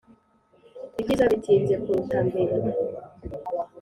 ibyiza bitinze kuruta mbere